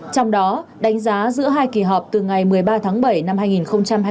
trong đó đánh giá giữa hai kỳ họp từ ngày một mươi ba tháng bảy năm hai nghìn hai mươi một đến nay